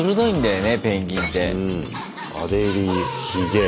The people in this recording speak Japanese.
アデリーヒゲ。